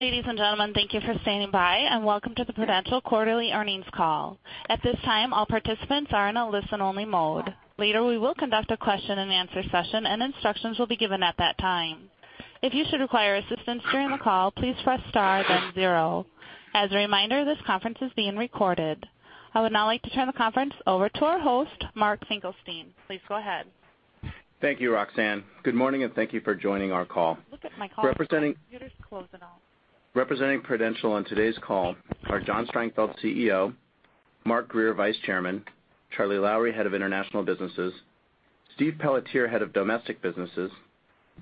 Ladies and gentlemen, thank you for standing by, and welcome to the Prudential quarterly earnings call. At this time, all participants are in a listen-only mode. Later, we will conduct a question-and-answer session and instructions will be given at that time. If you should require assistance during the call, please press star then zero. As a reminder, this conference is being recorded. I would now like to turn the conference over to our host, Mark Faliski. Please go ahead. Thank you, Roxanne. Good morning, and thank you for joining our call. Representing Prudential on today's call are John Strangfeld, CEO, Mark Grier, Vice Chairman, Charles Lowrey, Head of International Businesses, Stephen Pelletier, Head of Domestic Businesses,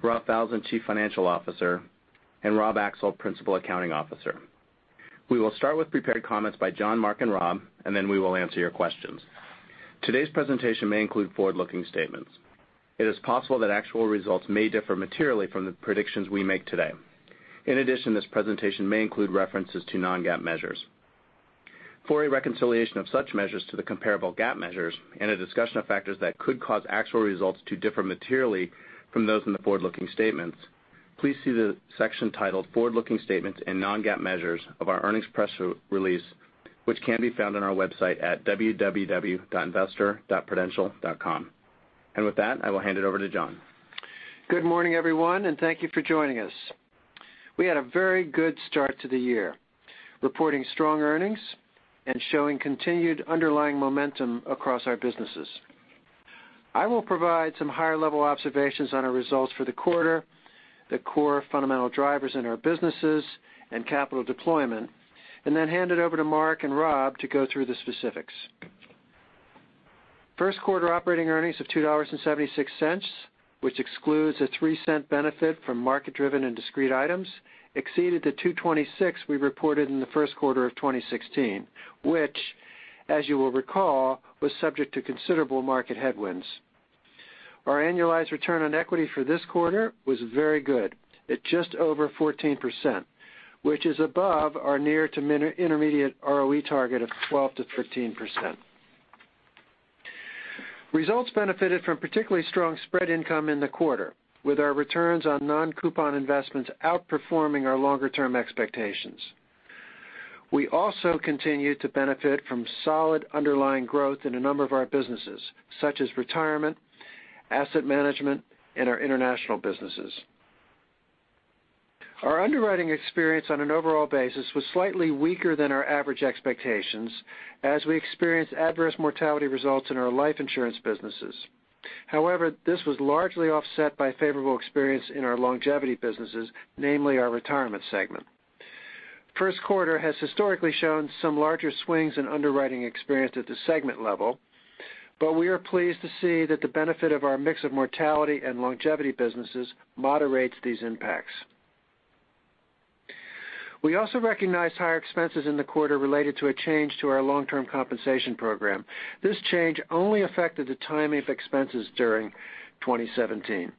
Robert Falzon, Chief Financial Officer, and Rob Axel, Principal Accounting Officer. We will start with prepared comments by John, Mark, and Rob, then we will answer your questions. Today's presentation may include forward-looking statements. It is possible that actual results may differ materially from the predictions we make today. In addition, this presentation may include references to non-GAAP measures. For a reconciliation of such measures to the comparable GAAP measures and a discussion of factors that could cause actual results to differ materially from those in the forward-looking statements, please see the section titled Forward-Looking Statements & Non-GAAP Measures of our earnings press release, which can be found on our website at www.investor.prudential.com. With that, I will hand it over to John. Good morning, everyone, thank you for joining us. We had a very good start to the year, reporting strong earnings and showing continued underlying momentum across our businesses. I will provide some higher-level observations on our results for the quarter, the core fundamental drivers in our businesses and capital deployment, then hand it over to Mark and Rob to go through the specifics. First quarter operating earnings of $2.76, which excludes a $0.03 benefit from market-driven and discrete items, exceeded the $2.26 we reported in the first quarter of 2016, which as you will recall, was subject to considerable market headwinds. Our annualized return on equity for this quarter was very good at just over 14%, which is above our near to intermediate ROE target of 12%-15%. Results benefited from particularly strong spread income in the quarter, with our returns on non-coupon investments outperforming our longer-term expectations. We also continued to benefit from solid underlying growth in a number of our businesses, such as retirement, asset management, and our international businesses. Our underwriting experience on an overall basis was slightly weaker than our average expectations as we experienced adverse mortality results in our life insurance businesses. However, this was largely offset by favorable experience in our longevity businesses, namely our retirement segment. First quarter has historically shown some larger swings in underwriting experience at the segment level, but we are pleased to see that the benefit of our mix of mortality and longevity businesses moderates these impacts. We also recognized higher expenses in the quarter related to a change to our long-term compensation program. This change only affected the timing of expenses during 2017.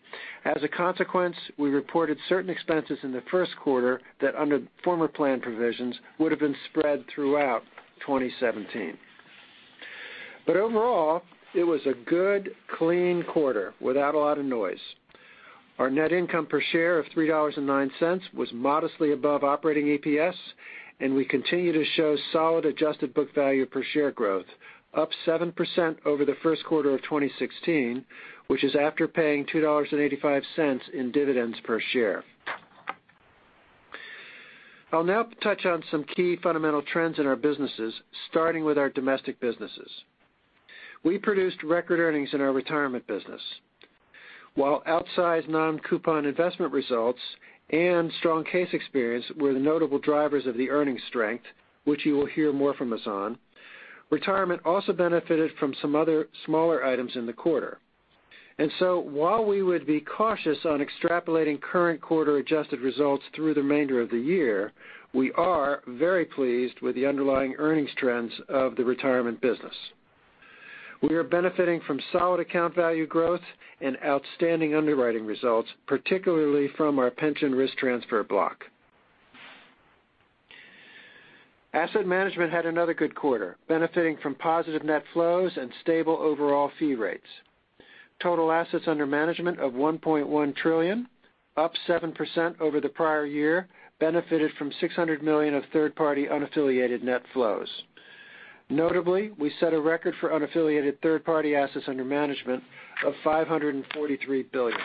We reported certain expenses in the first quarter that, under former plan provisions, would've been spread throughout 2017. Overall, it was a good, clean quarter without a lot of noise. Our net income per share of $3.09 was modestly above operating EPS, and we continue to show solid adjusted book value per share growth, up 7% over the first quarter of 2016, which is after paying $2.85 in dividends per share. I'll now touch on some key fundamental trends in our businesses, starting with our domestic businesses. We produced record earnings in our retirement business. While outsized non-coupon investment results and strong case experience were the notable drivers of the earnings strength, which you will hear more from us on, retirement also benefited from some other smaller items in the quarter. While we would be cautious on extrapolating current quarter adjusted results through the remainder of the year, we are very pleased with the underlying earnings trends of the retirement business. We are benefiting from solid account value growth and outstanding underwriting results, particularly from our pension risk transfer block. Asset management had another good quarter, benefiting from positive net flows and stable overall fee rates. Total assets under management of $1.1 trillion, up 7% over the prior year, benefited from $600 million of third-party unaffiliated net flows. Notably, we set a record for unaffiliated third-party assets under management of $543 billion.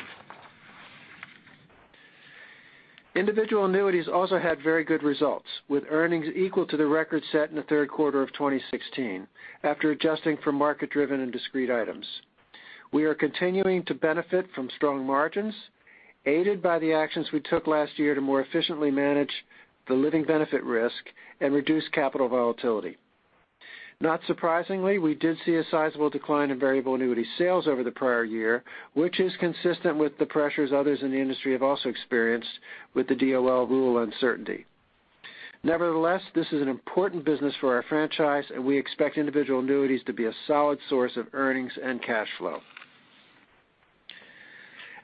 Individual annuities also had very good results, with earnings equal to the record set in the third quarter of 2016 after adjusting for market-driven and discrete items. We are continuing to benefit from strong margins, aided by the actions we took last year to more efficiently manage the living benefit risk and reduce capital volatility. Not surprisingly, we did see a sizable decline in variable annuity sales over the prior year, which is consistent with the pressures others in the industry have also experienced with the DOL rule uncertainty. This is an important business for our franchise, and we expect individual annuities to be a solid source of earnings and cash flow.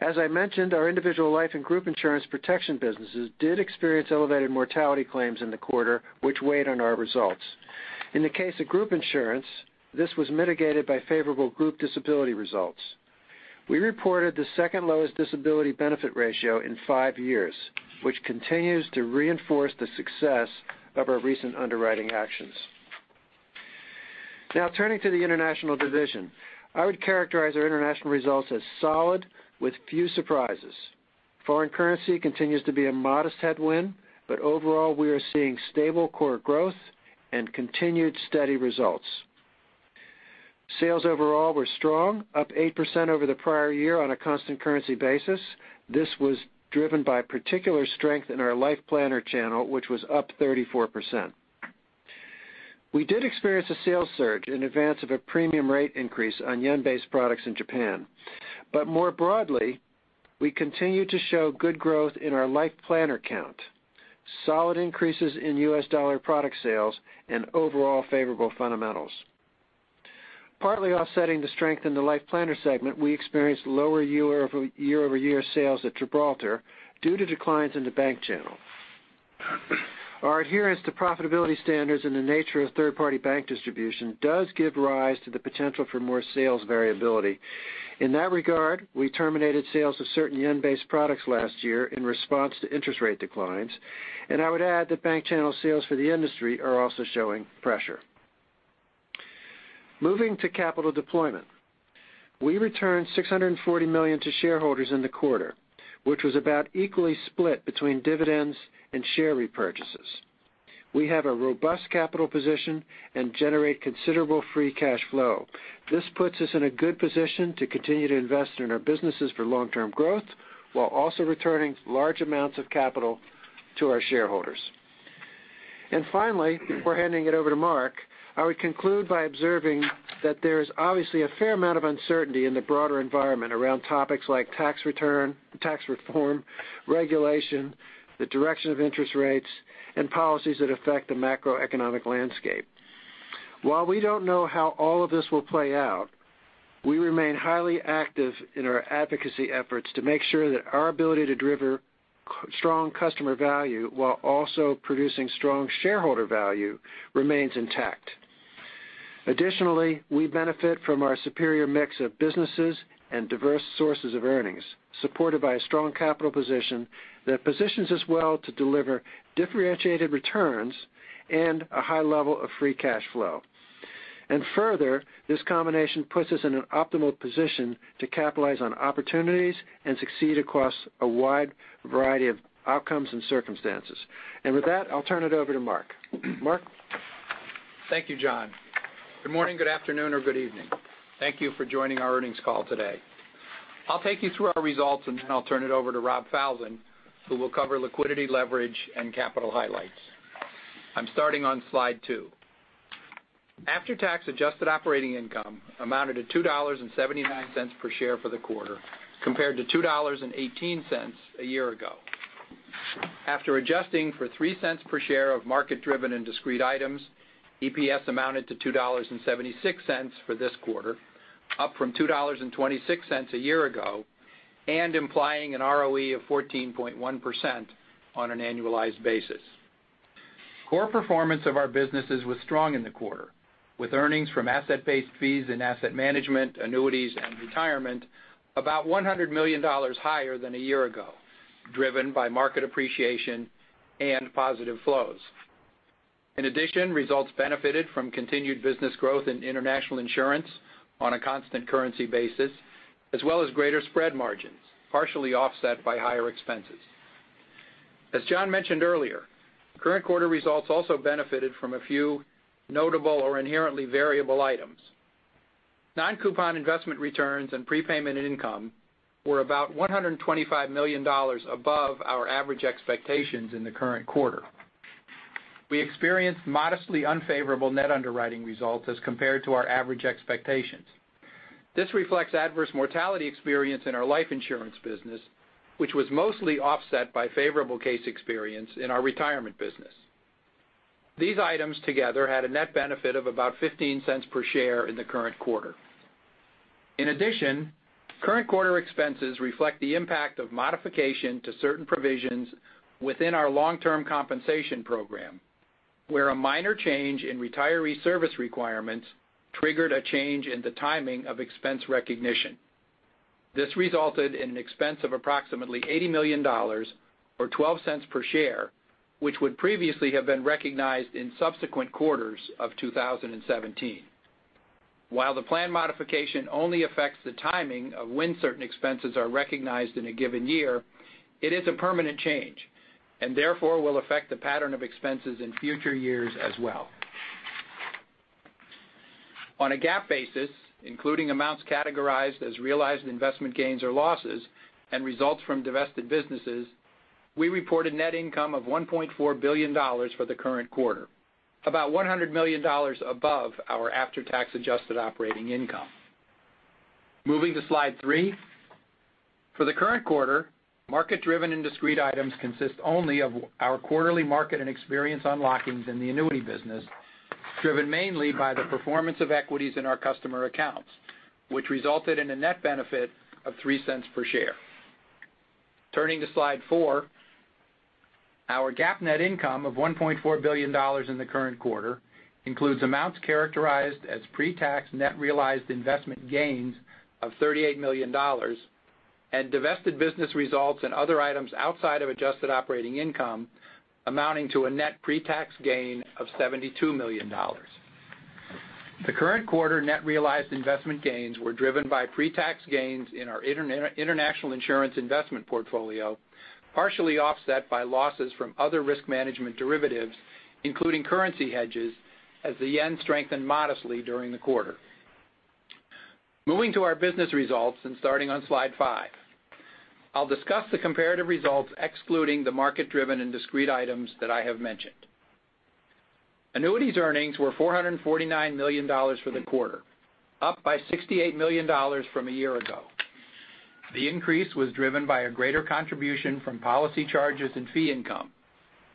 As I mentioned, our individual life and group insurance protection businesses did experience elevated mortality claims in the quarter, which weighed on our results. In the case of group insurance, this was mitigated by favorable group disability results. We reported the second lowest disability benefit ratio in five years, which continues to reinforce the success of our recent underwriting actions. Now turning to the international division. I would characterize our international results as solid with few surprises. Foreign currency continues to be a modest headwind. Overall, we are seeing stable core growth and continued steady results. Sales overall were strong, up 8% over the prior year on a constant currency basis. This was driven by particular strength in our LifePlanner channel, which was up 34%. We did experience a sales surge in advance of a premium rate increase on yen-based products in Japan. More broadly, we continue to show good growth in our LifePlanner count, solid increases in U.S. dollar product sales, and overall favorable fundamentals. Partly offsetting the strength in the LifePlanner segment, we experienced lower year-over-year sales at Gibraltar due to declines in the bank channel. Our adherence to profitability standards and the nature of third-party bank distribution does give rise to the potential for more sales variability. In that regard, we terminated sales of certain yen-based products last year in response to interest rate declines, and I would add that bank channel sales for the industry are also showing pressure. Moving to capital deployment. We returned $640 million to shareholders in the quarter, which was about equally split between dividends and share repurchases. We have a robust capital position and generate considerable free cash flow. This puts us in a good position to continue to invest in our businesses for long-term growth while also returning large amounts of capital to our shareholders. Finally, before handing it over to Mark, I would conclude by observing that there's obviously a fair amount of uncertainty in the broader environment around topics like tax reform, regulation, the direction of interest rates, and policies that affect the macroeconomic landscape. While we don't know how all of this will play out, we remain highly active in our advocacy efforts to make sure that our ability to deliver strong customer value while also producing strong shareholder value remains intact. Additionally, we benefit from our superior mix of businesses and diverse sources of earnings, supported by a strong capital position that positions us well to deliver differentiated returns and a high level of free cash flow. Further, this combination puts us in an optimal position to capitalize on opportunities and succeed across a wide variety of outcomes and circumstances. With that, I'll turn it over to Mark. Mark? Thank you, John. Good morning, good afternoon or good evening. Thank you for joining our earnings call today. I'll take you through our results, and then I'll turn it over to Rob Falzon, who will cover liquidity leverage and capital highlights. I'm starting on slide two. After-tax adjusted operating income amounted to $2.79 per share for the quarter, compared to $2.18 a year ago. After adjusting for $0.03 per share of market-driven and discrete items, EPS amounted to $2.76 for this quarter, up from $2.26 a year ago, and implying an ROE of 14.1% on an annualized basis. Core performance of our businesses was strong in the quarter, with earnings from asset-based fees and asset management, annuities and retirement, about $100 million higher than a year ago, driven by market appreciation and positive flows. In addition, results benefited from continued business growth in international insurance on a constant currency basis, as well as greater spread margins, partially offset by higher expenses. As John mentioned earlier, current quarter results also benefited from a few notable or inherently variable items. Non-coupon investment returns and prepayment income were about $125 million above our average expectations in the current quarter. We experienced modestly unfavorable net underwriting results as compared to our average expectations. This reflects adverse mortality experience in our life insurance business, which was mostly offset by favorable case experience in our retirement business. These items together had a net benefit of about $0.15 per share in the current quarter. In addition, current quarter expenses reflect the impact of modification to certain provisions within our long-term compensation program, where a minor change in retiree service requirements triggered a change in the timing of expense recognition. This resulted in an expense of approximately $80 million, or $0.12 per share, which would previously have been recognized in subsequent quarters of 2017. While the plan modification only affects the timing of when certain expenses are recognized in a given year, it is a permanent change, and therefore will affect the pattern of expenses in future years as well. On a GAAP basis, including amounts categorized as realized investment gains or losses and results from divested businesses, we reported net income of $1.4 billion for the current quarter, about $100 million above our after-tax adjusted operating income. Moving to slide three. For the current quarter, market-driven and discrete items consist only of our quarterly market and experience unlockings in the annuity business, driven mainly by the performance of equities in our customer accounts, which resulted in a net benefit of $0.03 per share. Turning to slide four, our GAAP net income of $1.4 billion in the current quarter includes amounts characterized as pre-tax net realized investment gains of $38 million, and divested business results and other items outside of adjusted operating income amounting to a net pre-tax gain of $72 million. The current quarter net realized investment gains were driven by pre-tax gains in our international insurance investment portfolio, partially offset by losses from other risk management derivatives, including currency hedges, as the yen strengthened modestly during the quarter. Moving to our business results and starting on slide five. I'll discuss the comparative results excluding the market-driven and discrete items that I have mentioned. Annuities earnings were $449 million for the quarter, up by $68 million from a year ago. The increase was driven by a greater contribution from policy charges and fee income,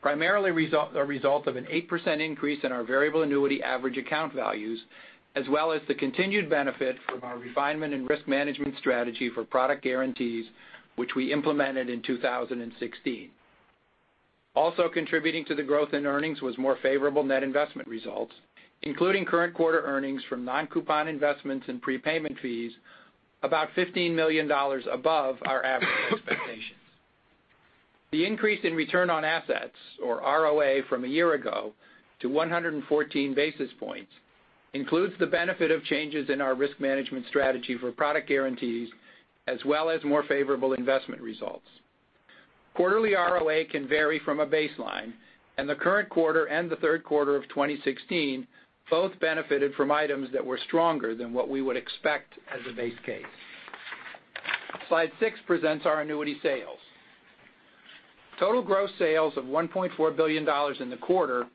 primarily a result of an 8% increase in our variable annuity average account values, as well as the continued benefit from our refinement and risk management strategy for product guarantees, which we implemented in 2016. Also contributing to the growth in earnings was more favorable net investment results, including current quarter earnings from non-coupon investments and prepayment fees about $15 million above our average expectations. The increase in return on assets, or ROA, from a year ago to 114 basis points includes the benefit of changes in our risk management strategy for product guarantees, as well as more favorable investment results. Quarterly ROA can vary from a baseline, and the current quarter and the third quarter of 2016 both benefited from items that were stronger than what we would expect as a base case. Slide six presents our annuity sales. Total gross sales of $1.4 billion in the quarter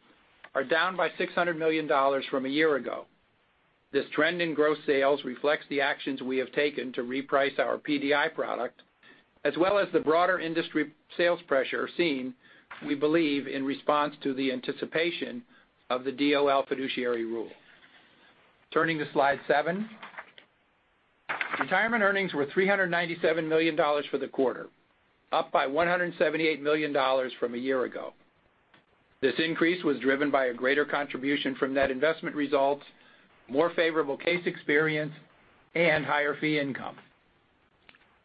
are down by $600 million from a year ago. This trend in gross sales reflects the actions we have taken to reprice our PDI product, as well as the broader industry sales pressure seen, we believe, in response to the anticipation of the DOL Fiduciary Rule. Turning to slide seven. Retirement earnings were $397 million for the quarter, up by $178 million from a year ago. This increase was driven by a greater contribution from net investment results, more favorable case experience, and higher fee income.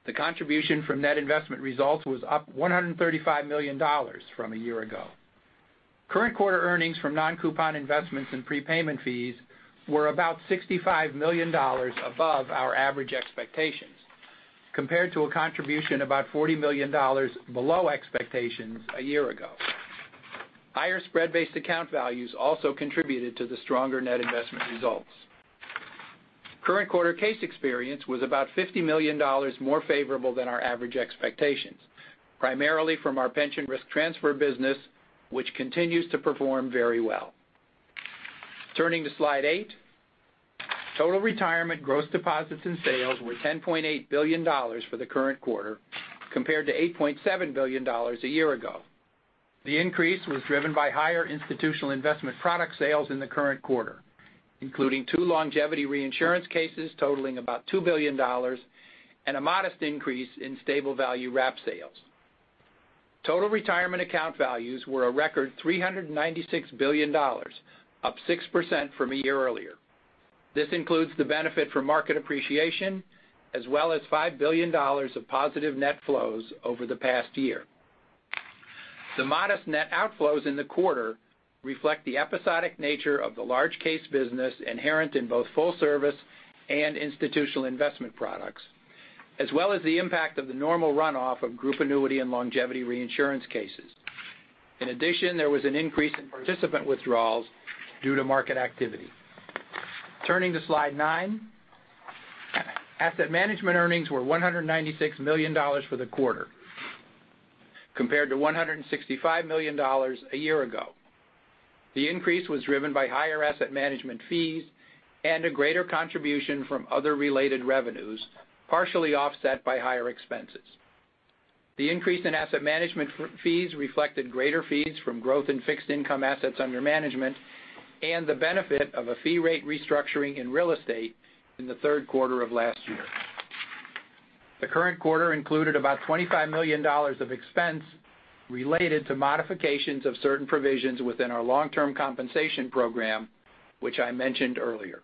The contribution from net investment results was up $135 million from a year ago. Current quarter earnings from non-coupon investments and prepayment fees were about $65 million above our average expectations, compared to a contribution about $40 million below expectations a year ago. Higher spread-based account values also contributed to the stronger net investment results. Current quarter case experience was about $50 million more favorable than our average expectations, primarily from our pension risk transfer business, which continues to perform very well. Turning to slide eight. Total retirement gross deposits and sales were $10.8 billion for the current quarter, compared to $8.7 billion a year ago. The increase was driven by higher institutional investment product sales in the current quarter, including two longevity reinsurance cases totaling about $2 billion, and a modest increase in stable value wrap sales. Total retirement account values were a record $396 billion, up 6% from a year earlier. This includes the benefit from market appreciation, as well as $5 billion of positive net flows over the past year. The modest net outflows in the quarter reflect the episodic nature of the large case business inherent in both full service and institutional investment products, as well as the impact of the normal runoff of group annuity and longevity reinsurance cases. In addition, there was an increase in participant withdrawals due to market activity. Turning to slide nine. Asset management earnings were $196 million for the quarter, compared to $165 million a year ago. The increase was driven by higher asset management fees and a greater contribution from other related revenues, partially offset by higher expenses. The increase in asset management fees reflected greater fees from growth in fixed income assets under management, and the benefit of a fee rate restructuring in real estate in the third quarter of last year. The current quarter included about $25 million of expense related to modifications of certain provisions within our long-term compensation program, which I mentioned earlier.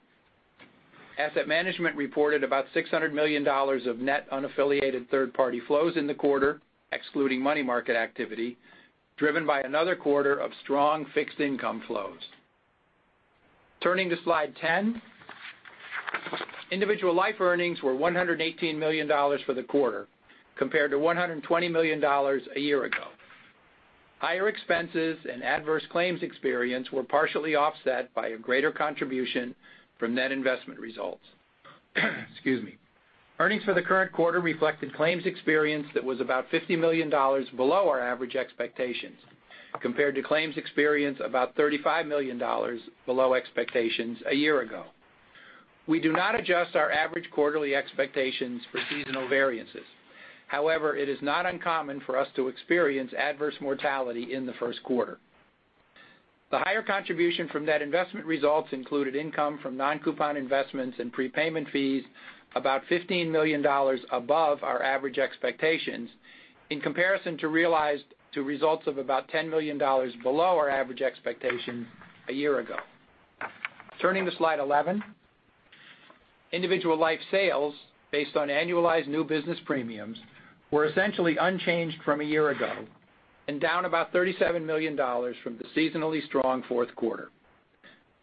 Asset management reported about $600 million of net unaffiliated third-party flows in the quarter, excluding money market activity, driven by another quarter of strong fixed income flows. Turning to slide 10. Individual life earnings were $118 million for the quarter, compared to $120 million a year ago. Higher expenses and adverse claims experience were partially offset by a greater contribution from net investment results. Excuse me. Earnings for the current quarter reflected claims experience that was about $50 million below our average expectations, compared to claims experience about $35 million below expectations a year ago. We do not adjust our average quarterly expectations for seasonal variances. However, it is not uncommon for us to experience adverse mortality in the first quarter. The higher contribution from net investment results included income from non-coupon investments and prepayment fees $15 million above our average expectations in comparison to realized to results of $10 million below our average expectations a year ago. Turning to slide 11. Individual life sales based on annualized new business premiums were essentially unchanged from a year ago and down $37 million from the seasonally strong fourth quarter.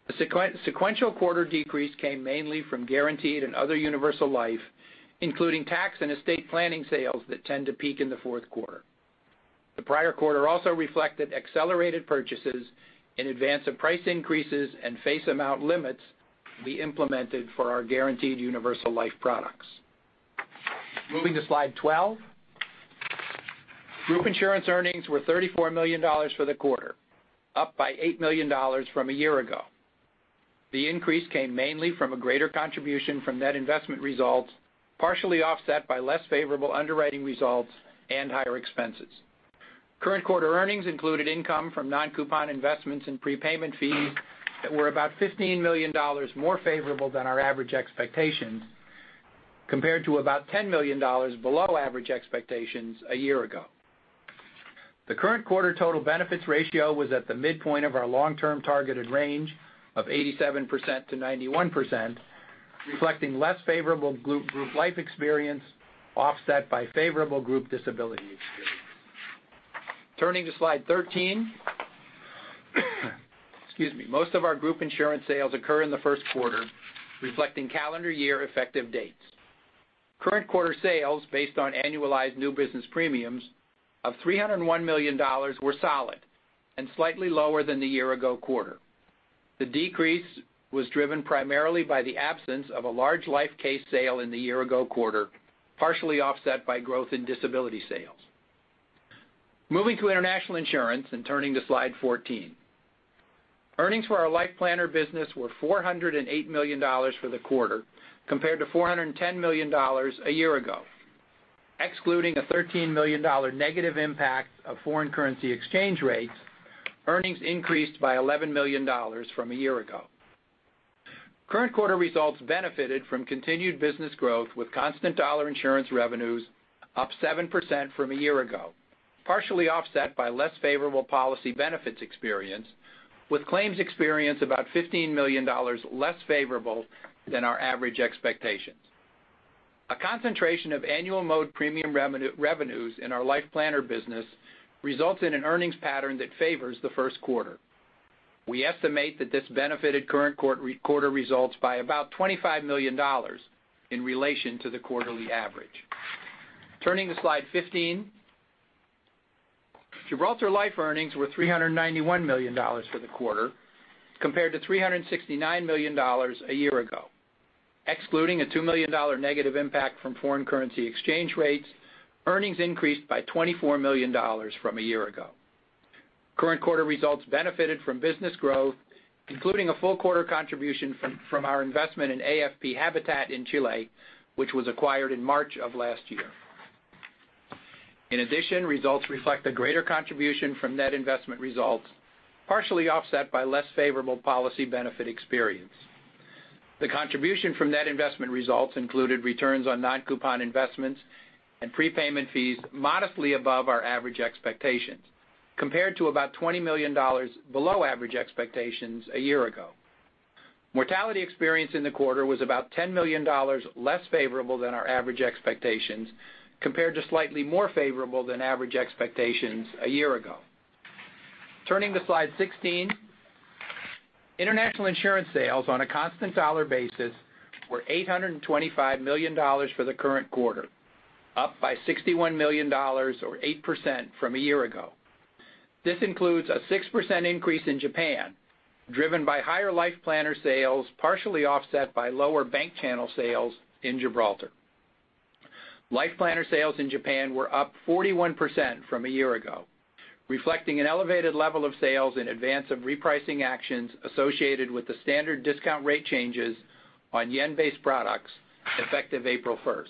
The sequential quarter decrease came mainly from guaranteed and other universal life, including tax and estate planning sales that tend to peak in the fourth quarter. The prior quarter also reflected accelerated purchases in advance of price increases and face amount limits to be implemented for our guaranteed universal life products. Moving to slide 12. Group insurance earnings were $34 million for the quarter, up by $8 million from a year ago. The increase came mainly from a greater contribution from net investment results, partially offset by less favorable underwriting results and higher expenses. Current quarter earnings included income from non-coupon investments in prepayment fees that were $15 million more favorable than our average expectations, compared to $10 million below average expectations a year ago. The current quarter total benefits ratio was at the midpoint of our long-term targeted range of 87%-91%, reflecting less favorable group life experience, offset by favorable group disability experience. Turning to slide 13. Excuse me. Most of our group insurance sales occur in the first quarter, reflecting calendar year effective dates. Current quarter sales, based on annualized new business premiums of $301 million, were solid and slightly lower than the year ago quarter. The decrease was driven primarily by the absence of a large life case sale in the year ago quarter, partially offset by growth in disability sales. Moving to international insurance and turning to slide 14. Earnings for our LifePlanner business were $408 million for the quarter, compared to $410 million a year ago. Excluding a $13 million negative impact of foreign currency exchange rates, earnings increased by $11 million from a year ago. Current quarter results benefited from continued business growth with constant dollar insurance revenues up 7% from a year ago, partially offset by less favorable policy benefits experience, with claims experience $15 million less favorable than our average expectations. A concentration of annual mode premium revenues in our LifePlanner business results in an earnings pattern that favors the first quarter. We estimate that this benefited current quarter results by $25 million in relation to the quarterly average. Turning to slide 15. Gibraltar Life earnings were $391 million for the quarter compared to $369 million a year ago. Excluding a $2 million negative impact from foreign currency exchange rates, earnings increased by $24 million from a year ago. Current quarter results benefited from business growth, including a full quarter contribution from our investment in AFP Habitat in Chile, which was acquired in March of last year. In addition, results reflect a greater contribution from net investment results, partially offset by less favorable policy benefit experience. The contribution from net investment results included returns on non-coupon investments and prepayment fees modestly above our average expectations, compared to $20 million below average expectations a year ago. Mortality experience in the quarter was about $10 million less favorable than our average expectations, compared to slightly more favorable than average expectations a year ago. Turning to slide 16. International insurance sales on a constant dollar basis were $825 million for the current quarter, up by $61 million or 8% from a year ago. This includes a 6% increase in Japan, driven by higher LifePlanner sales, partially offset by lower bank channel sales in Gibraltar. LifePlanner sales in Japan were up 41% from a year ago, reflecting an elevated level of sales in advance of repricing actions associated with the standard discount rate changes on yen-based products effective April 1st.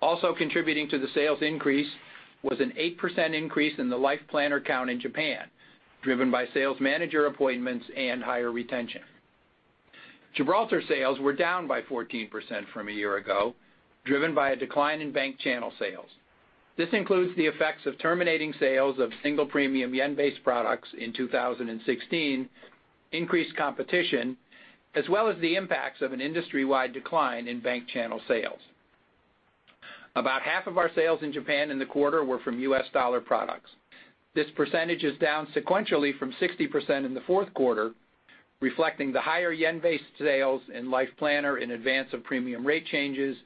Also contributing to the sales increase was an 8% increase in the LifePlanner count in Japan, driven by sales manager appointments and higher retention. Gibraltar sales were down by 14% from a year ago, driven by a decline in bank channel sales. This includes the effects of terminating sales of single premium yen-based products in 2016, increased competition, as well as the impacts of an industry-wide decline in bank channel sales. About half of our sales in Japan in the quarter were from US dollar products. This percentage is down sequentially from 60% in the fourth quarter, reflecting the higher yen-based sales in LifePlanner in advance of premium rate changes,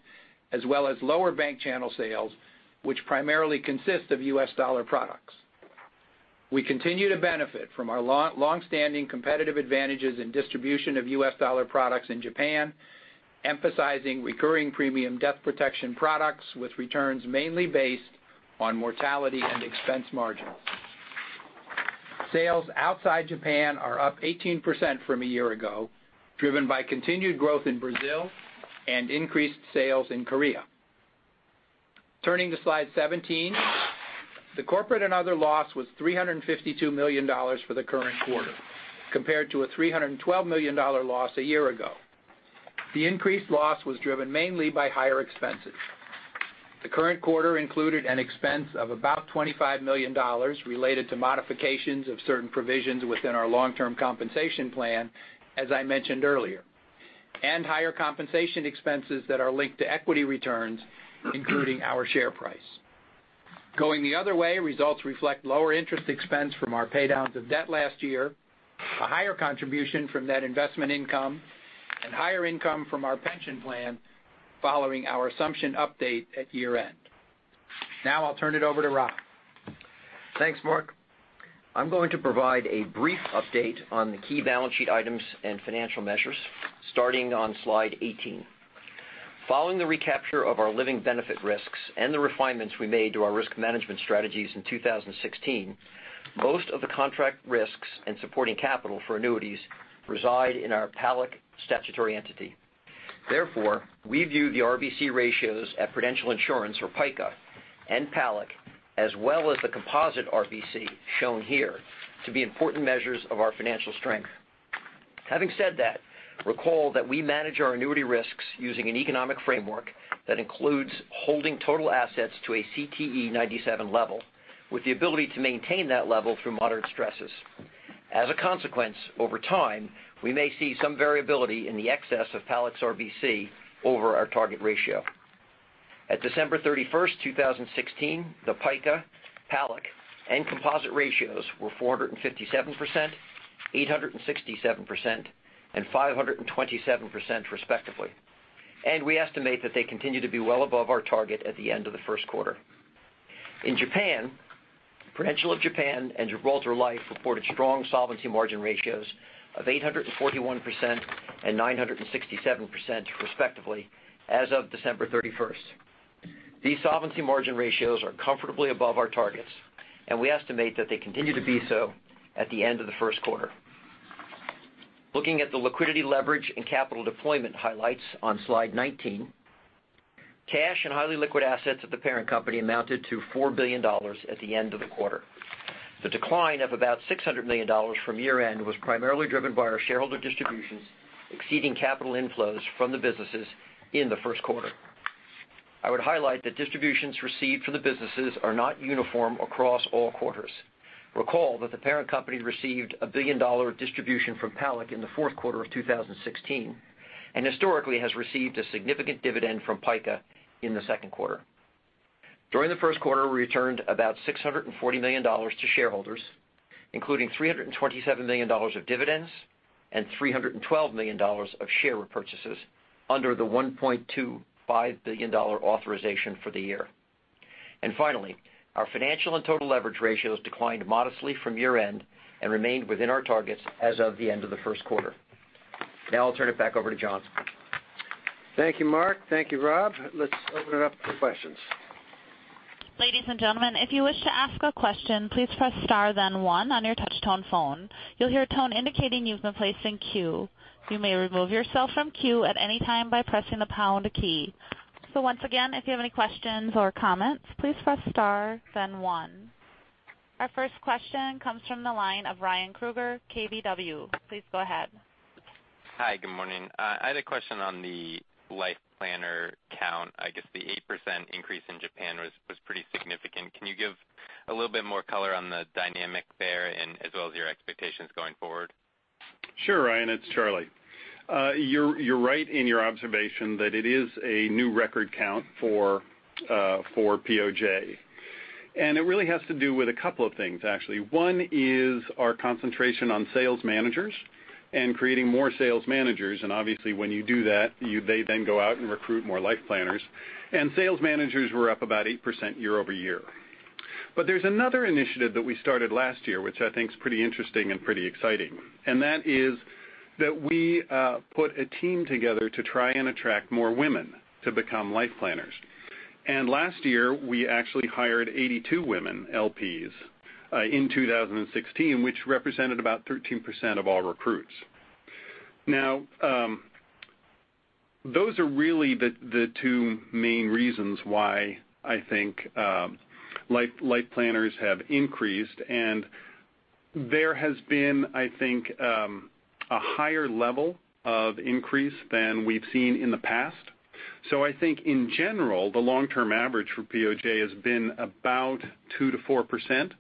as well as lower bank channel sales, which primarily consist of US dollar products. We continue to benefit from our longstanding competitive advantages in distribution of US dollar products in Japan, emphasizing recurring premium death protection products with returns mainly based on mortality and expense margins. Sales outside Japan are up 18% from a year ago, driven by continued growth in Brazil and increased sales in Korea. Turning to slide 17, the corporate and other loss was $352 million for the current quarter, compared to a $312 million loss a year ago. The increased loss was driven mainly by higher expenses. The current quarter included an expense of about $25 million related to modifications of certain provisions within our long-term compensation plan, as I mentioned earlier, and higher compensation expenses that are linked to equity returns, including our share price. Going the other way, results reflect lower interest expense from our paydowns of debt last year, a higher contribution from net investment income, and higher income from our pension plan following our assumption update at year-end. Now I'll turn it over to Rob. Thanks, Mark. I'm going to provide a brief update on the key balance sheet items and financial measures starting on slide 18. Following the recapture of our living benefit risks and the refinements we made to our risk management strategies in 2016, most of the contract risks and supporting capital for annuities reside in our PALAC statutory entity. Therefore, we view the RBC ratios at The Prudential Insurance Company of America, or PICA, and PALAC, as well as the composite RBC shown here, to be important measures of our financial strength. Having said that, recall that we manage our annuity risks using an economic framework that includes holding total assets to a CTE 97 level, with the ability to maintain that level through moderate stresses. As a consequence, over time, we may see some variability in the excess of PALAC's RBC over our target ratio. At December 31st, 2016, the PICA, PALAC, and composite ratios were 457%, 867%, and 527%, respectively. We estimate that they continue to be well above our target at the end of the first quarter. In Japan, Prudential of Japan and Gibraltar Life reported strong solvency margin ratios of 841% and 967%, respectively, as of December 31st. These solvency margin ratios are comfortably above our targets, and we estimate that they continue to be so at the end of the first quarter. Looking at the liquidity leverage and capital deployment highlights on slide 19, cash and highly liquid assets at the parent company amounted to $4 billion at the end of the quarter. The decline of about $600 million from year-end was primarily driven by our shareholder distributions exceeding capital inflows from the businesses in the first quarter. I would highlight that distributions received from the businesses are not uniform across all quarters. Recall that the parent company received a billion-dollar distribution from PALAC in the fourth quarter of 2016, and historically has received a significant dividend from PICA in the second quarter. During the first quarter, we returned about $640 million to shareholders, including $327 million of dividends and $312 million of share repurchases under the $1.25 billion authorization for the year. Finally, our financial and total leverage ratios declined modestly from year-end and remained within our targets as of the end of the first quarter. Now I'll turn it back over to John. Thank you, Mark. Thank you, Rob. Let's open it up for questions. Ladies and gentlemen, if you wish to ask a question, please press * then 1 on your touch tone phone. You'll hear a tone indicating you've been placed in queue. You may remove yourself from queue at any time by pressing the # key. Once again, if you have any questions or comments, please press * then 1. Our first question comes from the line of Ryan Krueger, KBW. Please go ahead. Hi. Good morning. I had a question on the LifePlanner count. I guess the 8% increase in Japan was pretty significant. Can you give a little bit more color on the dynamic there and as well as your expectations going forward? Sure, Ryan. It's Charlie. You're right in your observation that it is a new record count for POJ. It really has to do with a couple of things, actually. One is our concentration on sales managers and creating more sales managers, and obviously when you do that, they then go out and recruit more LifePlanners. Sales managers were up about 8% year-over-year. There's another initiative that we started last year, which I think is pretty interesting and pretty exciting, and that is that we put a team together to try and attract more women to become LifePlanners. Last year, we actually hired 82 women LPs in 2016, which represented about 13% of all recruits. Now, those are really the two main reasons why I think LifePlanners have increased, and there has been, I think, a higher level of increase than we've seen in the past. I think in general, the long-term average for POJ has been about 2%-4%,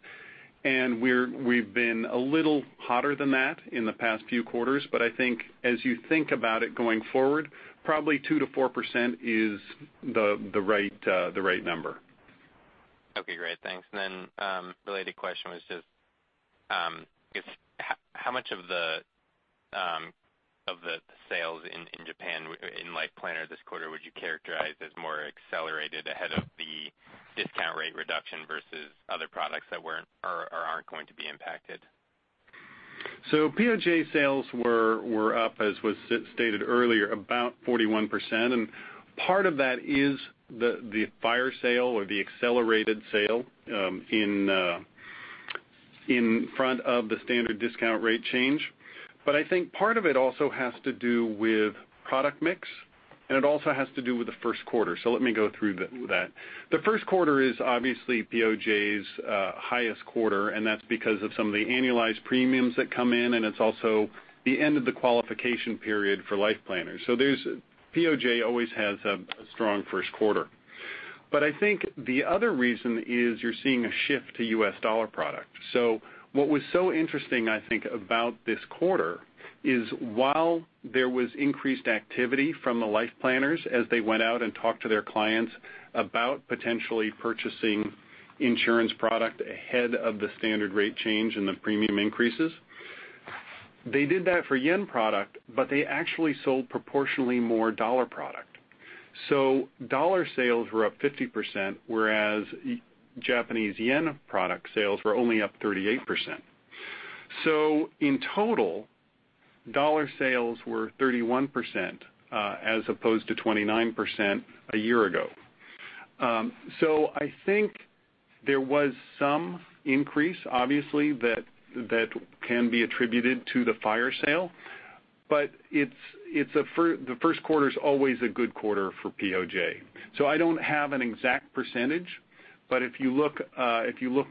and we've been a little hotter than that in the past few quarters. I think as you think about it going forward, probably 2%-4% is the right number. Okay, great. Thanks. Then related question was just, how much of the sales in Japan in LifePlanner this quarter would you characterize as more accelerated ahead of the discount rate reduction versus other products that aren't going to be impacted? POJ sales were up, as was stated earlier, about 41%. Part of that is the fire sale or the accelerated sale in front of the standard discount rate change. I think part of it also has to do with product mix, and it also has to do with the first quarter. Let me go through that. The first quarter is obviously POJ's highest quarter, and that's because of some of the annualized premiums that come in, and it's also the end of the qualification period for LifePlanners. POJ always has a strong first quarter. I think the other reason is you're seeing a shift to U.S. dollar product. What was so interesting, I think, about this quarter is while there was increased activity from the LifePlanners as they went out and talked to their clients about potentially purchasing insurance product ahead of the standard rate change and the premium increases, they did that for JPY product, but they actually sold proportionally more U.S. dollar product. U.S. dollar sales were up 50%, whereas Japanese JPY product sales were only up 38%. In total, U.S. dollar sales were 31% as opposed to 29% a year ago. I think there was some increase, obviously, that can be attributed to the fire sale, but the first quarter's always a good quarter for POJ. I don't have an exact percentage, but if you look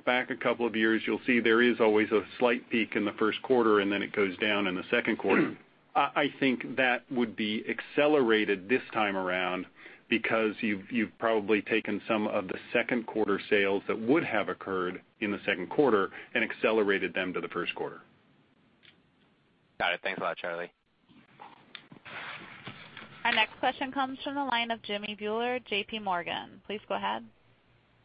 back a couple of years, you'll see there is always a slight peak in the first quarter, and then it goes down in the second quarter. I think that would be accelerated this time around because you've probably taken some of the second quarter sales that would have occurred in the second quarter and accelerated them to the first quarter. Got it. Thanks a lot, Charlie. Our next question comes from the line of Jimmy Bhullar, J.P. Morgan. Please go ahead.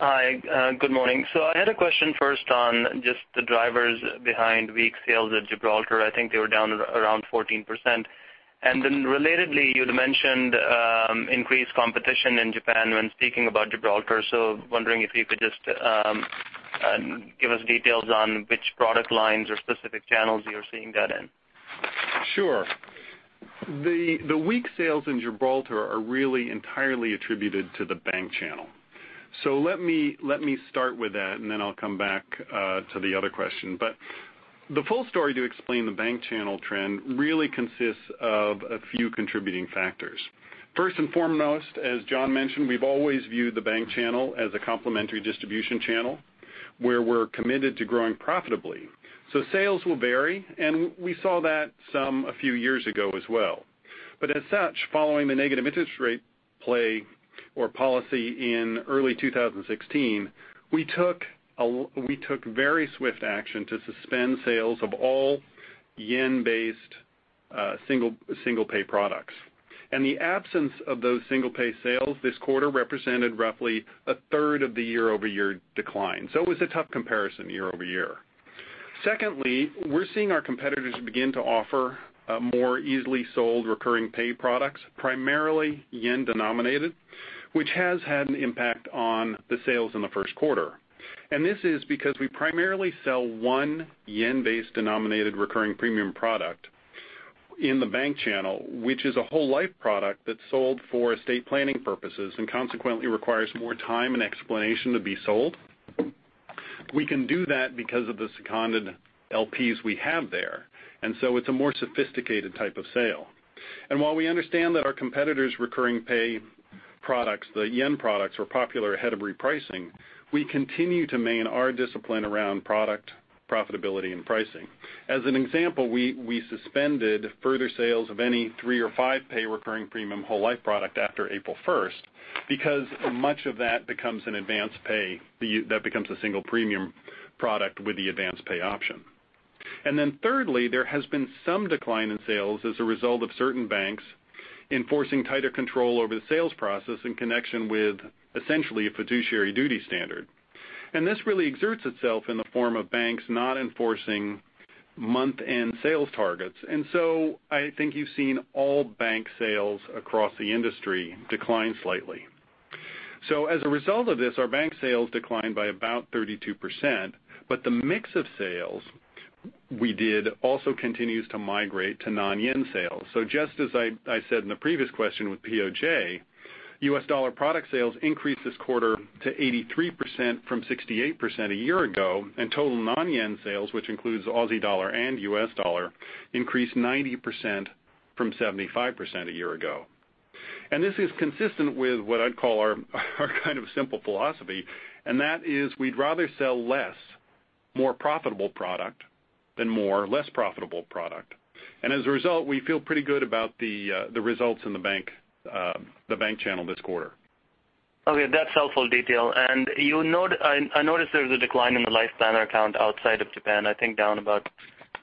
Hi, good morning. I had a question first on just the drivers behind weak sales at Gibraltar. I think they were down around 14%. Relatedly, you'd mentioned increased competition in Japan when speaking about Gibraltar. Wondering if you could just give us details on which product lines or specific channels you're seeing that in. Sure. The weak sales in Gibraltar are really entirely attributed to the bank channel. Let me start with that, I'll come back to the other question. The full story to explain the bank channel trend really consists of a few contributing factors. First and foremost, as John mentioned, we've always viewed the bank channel as a complementary distribution channel where we're committed to growing profitably. Sales will vary, and we saw that some a few years ago as well. As such, following the negative interest rate policy in early 2016, we took very swift action to suspend sales of all yen-based single pay products. The absence of those single pay sales this quarter represented roughly a third of the year-over-year decline. It was a tough comparison year-over-year. Secondly, we're seeing our competitors begin to offer more easily sold recurring pay products, primarily yen-denominated, which has had an impact on the sales in the first quarter. This is because we primarily sell one yen-based denominated recurring premium product in the bank channel, which is a whole life product that's sold for estate planning purposes and consequently requires more time and explanation to be sold. We can do that because of the seconded LPs we have there, it's a more sophisticated type of sale. While we understand that our competitors' recurring pay products, the yen products, were popular ahead of repricing, we continue to maintain our discipline around product profitability and pricing. As an example, we suspended further sales of any three or five-pay recurring premium whole life product after April 1st, because much of that becomes an advance pay. That becomes a single premium product with the advance pay option. Thirdly, there has been some decline in sales as a result of certain banks enforcing tighter control over the sales process in connection with essentially a fiduciary duty standard. This really exerts itself in the form of banks not enforcing month-end sales targets. I think you've seen all bank sales across the industry decline slightly. As a result of this, our bank sales declined by about 32%, but the mix of sales we did also continues to migrate to non-yen sales. Just as I said in the previous question with POJ, US dollar product sales increased this quarter to 83% from 68% a year ago, and total non-yen sales, which includes Aussie dollar and US dollar, increased 90% from 75% a year ago. This is consistent with what I'd call our kind of simple philosophy, and that is we'd rather sell less, more profitable product than more less profitable product. As a result, we feel pretty good about the results in the bank channel this quarter. Okay. That's helpful detail. I noticed there was a decline in the LifePlanner count outside of Japan, I think down about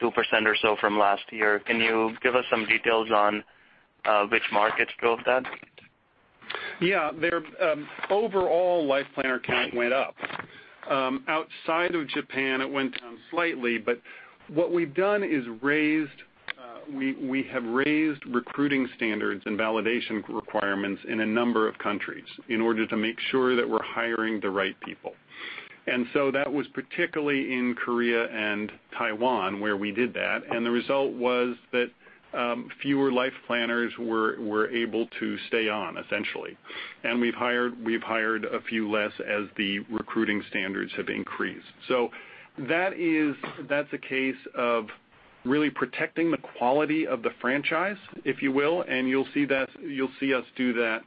2% or so from last year. Can you give us some details on which markets drove that? Yeah. Overall LifePlanner count went up. Outside of Japan, it went down slightly, what we've done is we have raised recruiting standards and validation requirements in a number of countries in order to make sure that we're hiring the right people. That was particularly in Korea and Taiwan where we did that, the result was that fewer LifePlanners were able to stay on, essentially. We've hired a few less as the recruiting standards have increased. That's a case of really protecting the quality of the franchise, if you will, and you'll see us do that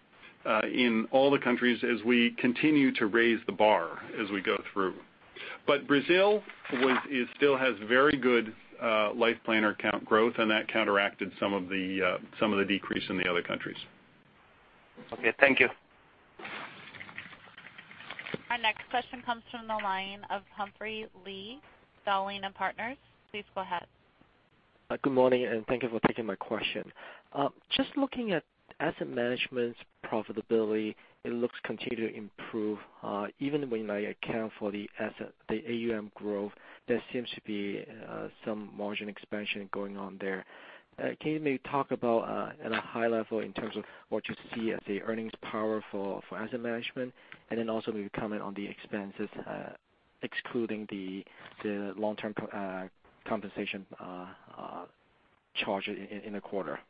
in all the countries as we continue to raise the bar as we go through. Brazil still has very good LifePlanner count growth, and that counteracted some of the decrease in the other countries. Okay, thank you. Our next question comes from the line of Humphrey Lee, Dowling & Partners. Please go ahead. Good morning. Thank you for taking my question. Just looking at asset management's profitability, it looks continue to improve. Even when I account for the AUM growth, there seems to be some margin expansion going on there. Can you maybe talk about, at a high level, in terms of what you see as the earnings power for asset management? Then also, maybe comment on the expenses, excluding the long-term compensation charge in the quarter.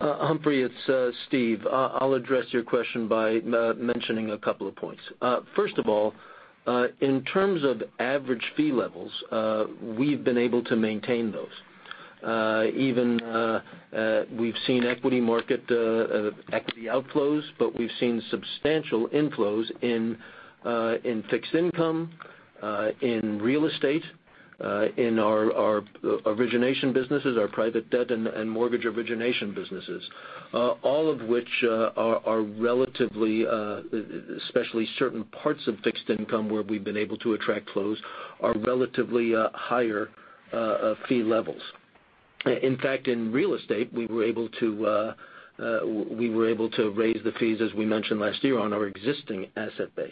Humphrey, it's Steve. I'll address your question by mentioning a couple of points. First of all, in terms of average fee levels, we've been able to maintain those. Even we've seen equity outflows. We've seen substantial inflows in fixed income, in real estate, in our origination businesses, our private debt and mortgage origination businesses. All of which are relatively, especially certain parts of fixed income where we've been able to attract flows, are relatively higher fee levels. In fact, in real estate, we were able to raise the fees, as we mentioned last year, on our existing asset base.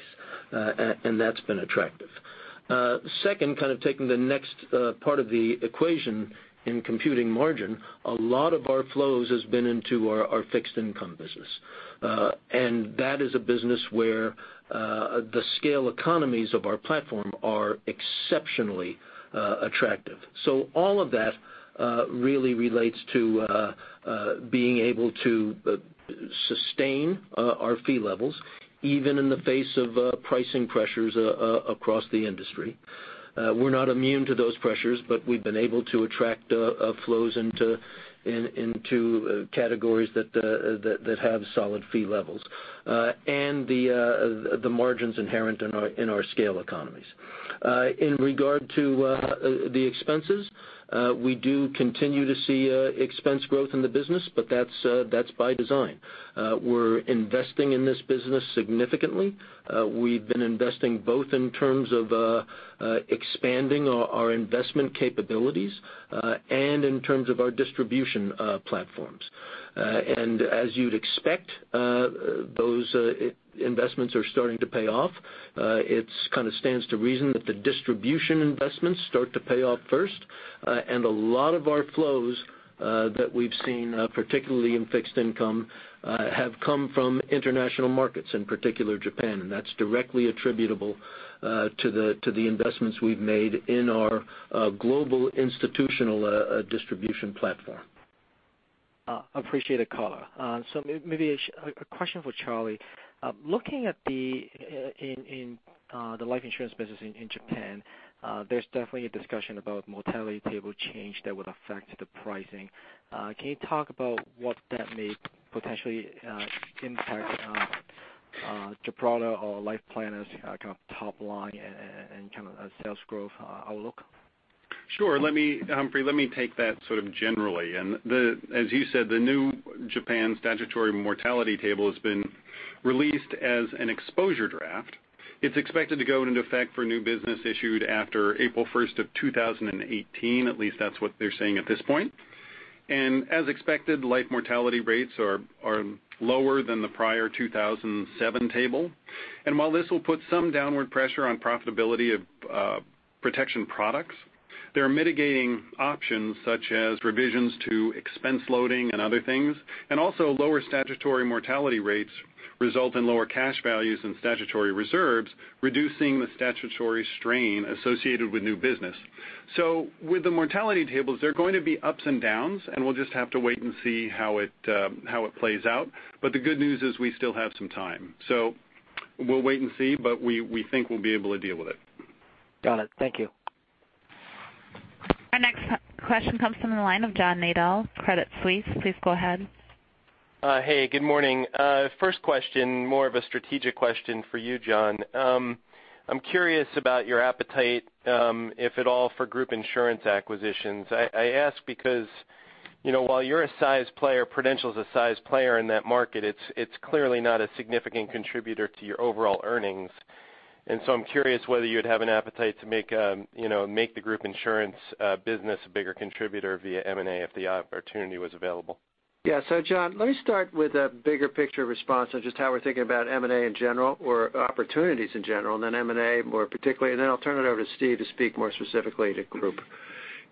That's been attractive. Second, taking the next part of the equation in computing margin, a lot of our flows has been into our fixed income business. That is a business where the scale economies of our platform are exceptionally attractive. All of that really relates to being able to sustain our fee levels, even in the face of pricing pressures across the industry. We're not immune to those pressures, but we've been able to attract flows into categories that have solid fee levels, and the margins inherent in our scale economies. In regard to the expenses, we do continue to see expense growth in the business, but that's by design. We're investing in this business significantly. We've been investing both in terms of expanding our investment capabilities and in terms of our distribution platforms. As you'd expect, those investments are starting to pay off. It kind of stands to reason that the distribution investments start to pay off first. A lot of our flows that we've seen, particularly in fixed income, have come from international markets, in particular, Japan. That's directly attributable to the investments we've made in our global institutional distribution platform. Appreciate the color. Maybe a question for Charlie. Looking in the life insurance business in Japan, there's definitely a discussion about mortality table change that would affect the pricing. Can you talk about what that may potentially impact Gibraltar or LifePlanner's top line and sales growth outlook? Sure. Humphrey, let me take that generally. As you said, the new Japan statutory mortality table has been released as an exposure draft. It's expected to go into effect for new business issued after April 1st of 2018, at least that's what they're saying at this point. As expected, life mortality rates are lower than the prior 2007 table. While this will put some downward pressure on profitability of protection products, there are mitigating options such as revisions to expense loading and other things, and also lower statutory mortality rates result in lower cash values and statutory reserves, reducing the statutory strain associated with new business. With the mortality tables, there are going to be ups and downs, and we'll just have to wait and see how it plays out. The good news is we still have some time. We'll wait and see, but we think we'll be able to deal with it. Got it. Thank you. Our next question comes from the line of John Nadel, Credit Suisse. Please go ahead. Hey, good morning. First question, more of a strategic question for you, John. I'm curious about your appetite, if at all, for group insurance acquisitions. I ask because, while you're a size player, Prudential's a size player in that market, it's clearly not a significant contributor to your overall earnings. I'm curious whether you'd have an appetite to make the group insurance business a bigger contributor via M&A if the opportunity was available. John, let me start with a bigger picture response on just how we're thinking about M&A in general, or opportunities in general, and then M&A more particularly, and then I'll turn it over to Steve to speak more specifically to group.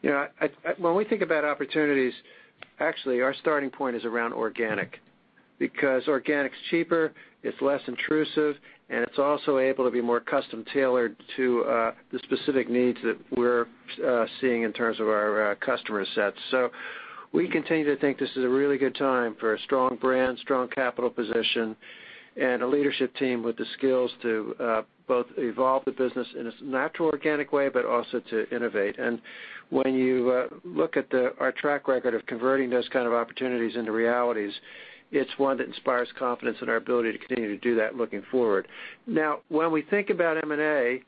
When we think about opportunities, actually, our starting point is around organic. Because organic's cheaper, it's less intrusive, and it's also able to be more custom tailored to the specific needs that we're seeing in terms of our customer sets. We continue to think this is a really good time for a strong brand, strong capital position, and a leadership team with the skills to both evolve the business in its natural organic way, but also to innovate. When you look at our track record of converting those kind of opportunities into realities, it's one that inspires confidence in our ability to continue to do that looking forward. When we think about M&A,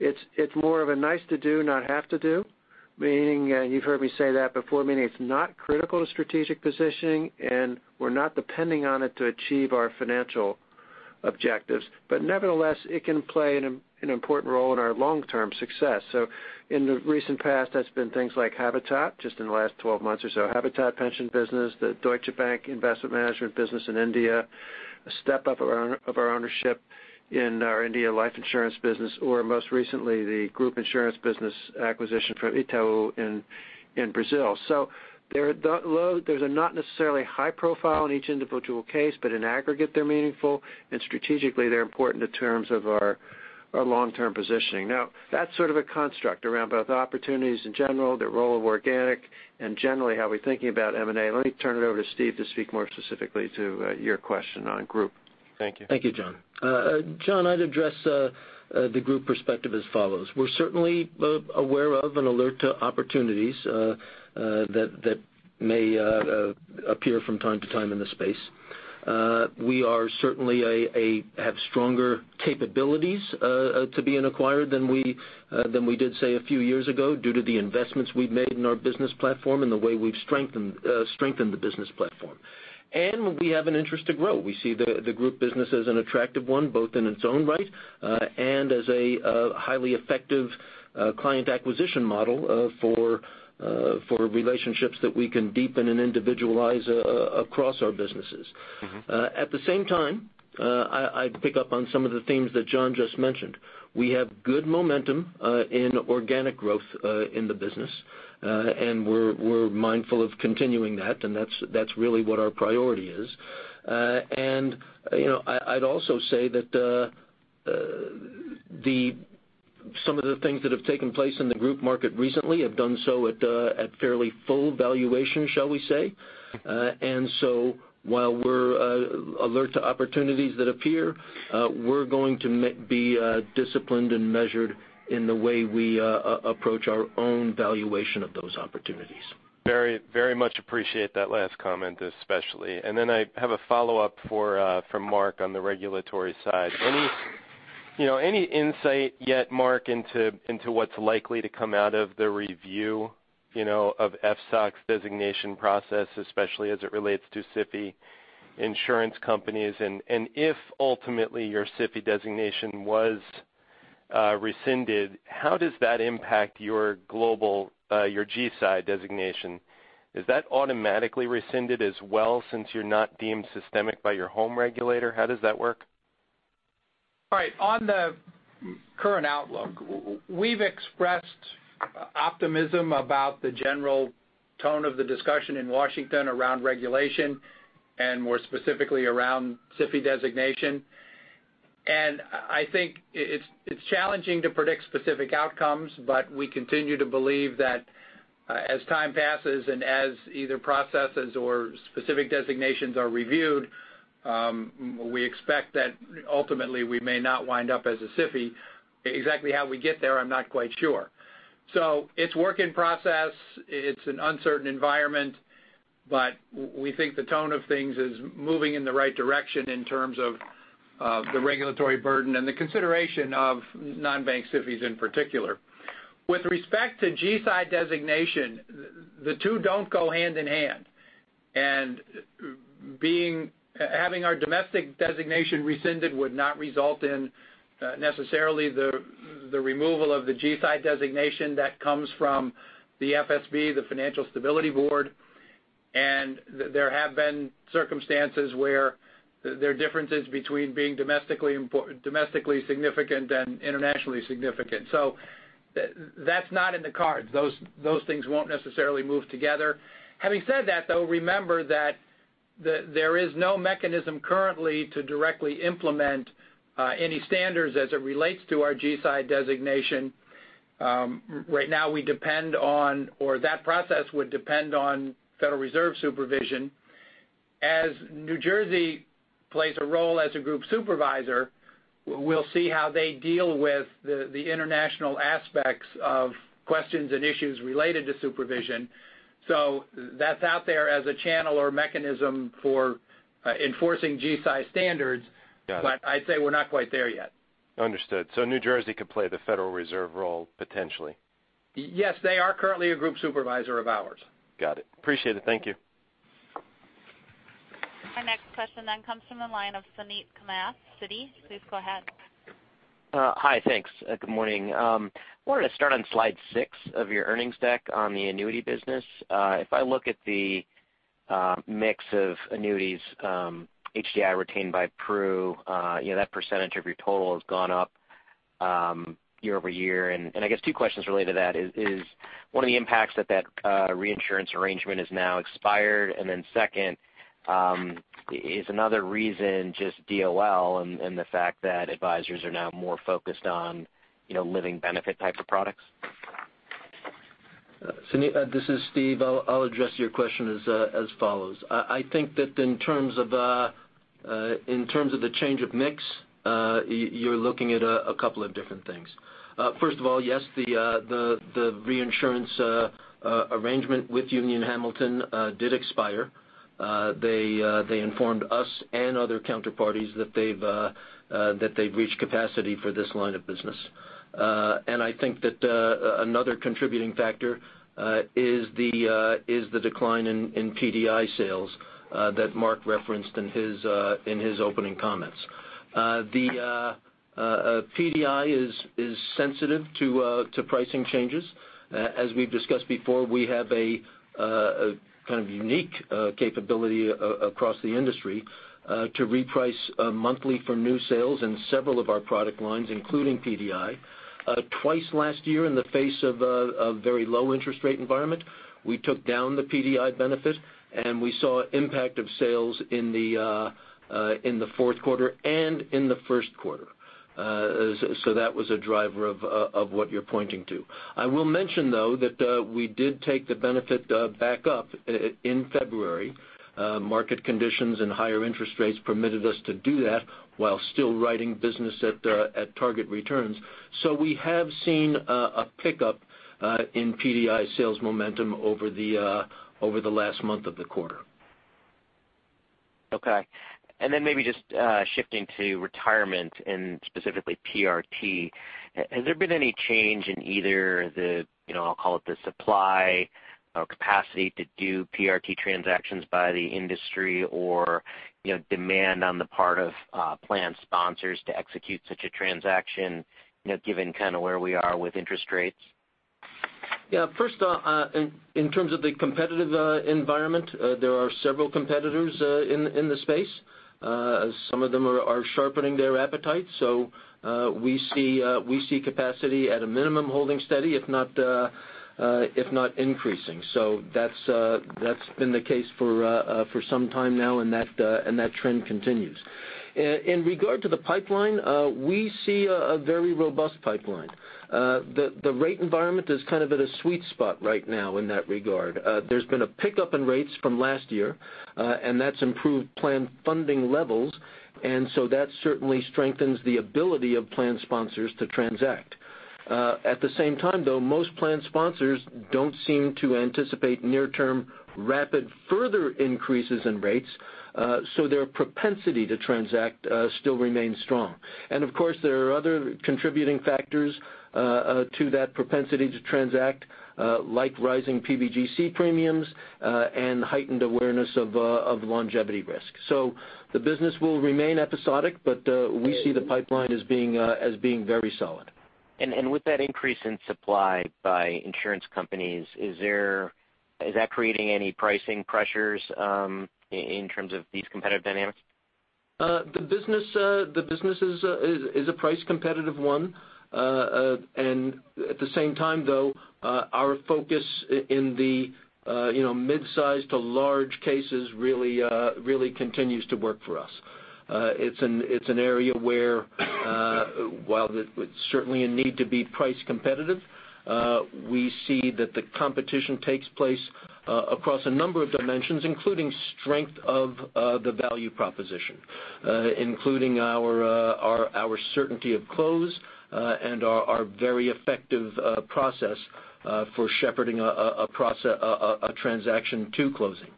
it's more of a nice to do, not have to do. You've heard me say that before, meaning it's not critical to strategic positioning, and we're not depending on it to achieve our financial objectives. Nevertheless, it can play an important role in our long-term success. In the recent past, that's been things like Habitat, just in the last 12 months or so. Habitat pension business, the Deutsche Bank investment management business in India, a step up of our ownership in our India life insurance business or, most recently, the group insurance business acquisition from Itaú in Brazil. Those are not necessarily high profile in each individual case, but in aggregate they're meaningful, and strategically they're important in terms of our long-term positioning. That's sort of a construct around both opportunities in general, the role of organic, and generally how we're thinking about M&A. Let me turn it over to Steve to speak more specifically to your question on group. Thank you. Thank you, John. John, I'd address the group perspective as follows. We're certainly aware of and alert to opportunities that may appear from time to time in the space. We are certainly have stronger capabilities to be acquired than we did, say, a few years ago due to the investments we've made in our business platform and the way we've strengthened the business platform. We have an interest to grow. We see the group business as an attractive one, both in its own right, and as a highly effective client acquisition model for relationships that we can deepen and individualize across our businesses. At the same time, I'd pick up on some of the themes that John just mentioned. We have good momentum in organic growth in the business, and we're mindful of continuing that, and that's really what our priority is. I'd also say that some of the things that have taken place in the group market recently have done so at fairly full valuation, shall we say. While we're alert to opportunities that appear, we're going to be disciplined and measured in the way we approach our own valuation of those opportunities. Very much appreciate that last comment, especially. I have a follow-up for Mark on the regulatory side. Any insight yet, Mark, into what's likely to come out of the review of FSOC's designation process, especially as it relates to SIFI insurance companies? If ultimately your SIFI designation was rescinded, how does that impact your G-SII designation? Is that automatically rescinded as well, since you're not deemed systemic by your home regulator? How does that work? Right. On the current outlook, we've expressed optimism about the general tone of the discussion in Washington around regulation, and more specifically around SIFI designation. I think it's challenging to predict specific outcomes. We continue to believe that as time passes and as either processes or specific designations are reviewed, we expect that ultimately we may not wind up as a SIFI. Exactly how we get there, I'm not quite sure. It's work in process. It's an uncertain environment. We think the tone of things is moving in the right direction in terms of the regulatory burden and the consideration of non-bank SIFIs in particular. With respect to G-SII designation, the two don't go hand in hand. Having our domestic designation rescinded would not result in necessarily the removal of the G-SII designation that comes from the FSB, the Financial Stability Board. There have been circumstances where there are differences between being domestically significant and internationally significant. That's not in the cards. Those things won't necessarily move together. Having said that, though, remember that there is no mechanism currently to directly implement any standards as it relates to our G-SII designation. Right now we depend on, or that process would depend on Federal Reserve supervision. As New Jersey plays a role as a group supervisor, we'll see how they deal with the international aspects of questions and issues related to supervision. That's out there as a channel or mechanism for enforcing G-SII standards. Got it I'd say we're not quite there yet. Understood. New Jersey could play the Federal Reserve role potentially. Yes. They are currently a group supervisor of ours. Got it. Appreciate it. Thank you. Our next question then comes from the line of Suneet Kamath, Citi. Please go ahead. Hi. Thanks. Good morning. I wanted to start on slide six of your earnings deck on the annuity business. If I look at the mix of annuities, HDI retained by Pru, that percentage of your total has gone up year-over-year. I guess two questions related to that is, one of the impacts that reinsurance arrangement is now expired. Then second, is another reason just DOL and the fact that advisors are now more focused on living benefit type of products? Suneet, this is Steve. I'll address your question as follows. I think that in terms of the change of mix, you're looking at a couple of different things. First of all, yes, the reinsurance arrangement with Union Hamilton did expire. They informed us and other counterparties that they've reached capacity for this line of business. I think that another contributing factor is the decline in PDI sales that Mark referenced in his opening comments. The PDI is sensitive to pricing changes. As we've discussed before, we have a kind of unique capability across the industry to reprice monthly for new sales in several of our product lines, including PDI. Twice last year in the face of a very low interest rate environment, we took down the PDI benefit, and we saw impact of sales in the fourth quarter and in the first quarter. That was a driver of what you're pointing to. I will mention, though, that we did take the benefit back up in February. Market conditions and higher interest rates permitted us to do that while still writing business at target returns. We have seen a pickup in PDI sales momentum over the last month of the quarter. Okay. Then maybe just shifting to retirement and specifically PRT. Has there been any change in either the, I'll call it the supply or capacity to do PRT transactions by the industry or demand on the part of plan sponsors to execute such a transaction, given kind of where we are with interest rates? Yeah. First, in terms of the competitive environment, there are several competitors in the space. Some of them are sharpening their appetite. We see capacity at a minimum holding steady, if not increasing. That's been the case for some time now, and that trend continues. In regard to the pipeline, we see a very robust pipeline. The rate environment is kind of at a sweet spot right now in that regard. There's been a pickup in rates from last year, and that's improved plan funding levels, that certainly strengthens the ability of plan sponsors to transact. At the same time, though, most plan sponsors don't seem to anticipate near-term rapid further increases in rates, their propensity to transact still remains strong. Of course, there are other contributing factors to that propensity to transact, like rising PBGC premiums, and heightened awareness of longevity risk. The business will remain episodic, but we see the pipeline as being very solid. With that increase in supply by insurance companies, is that creating any pricing pressures in terms of these competitive dynamics? The business is a price competitive one. At the same time, though, our focus in the mid-size to large cases really continues to work for us. It's an area where while there's certainly a need to be price competitive, we see that the competition takes place across a number of dimensions, including strength of the value proposition, including our certainty of close, and our very effective process for shepherding a transaction to closing.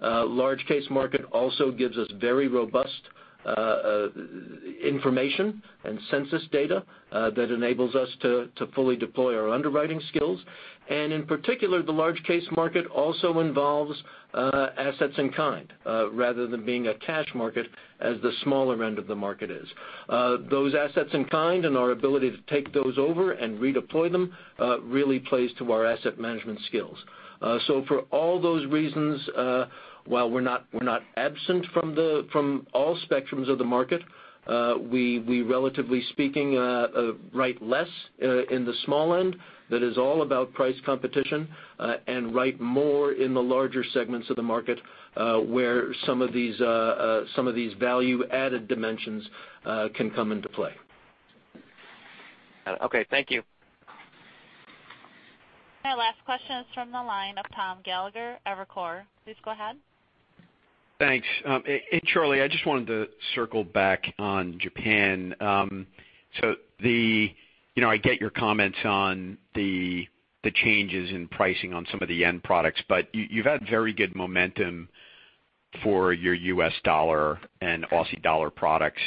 Large case market also gives us very robust information and census data that enables us to fully deploy our underwriting skills. In particular, the large case market also involves assets in kind rather than being a cash market as the smaller end of the market is. Those assets in kind and our ability to take those over and redeploy them really plays to our asset management skills. For all those reasons, while we're not absent from all spectrums of the market, we relatively speaking, write less in the small end that is all about price competition, and write more in the larger segments of the market, where some of these value-added dimensions can come into play. Okay, thank you. Our last question is from the line of Tom Gallagher, Evercore. Please go ahead. Thanks. Hey, Charlie, I just wanted to circle back on Japan. I get your comments on the changes in pricing on some of the end products, but you've had very good momentum for your U.S. dollar and Aussie dollar products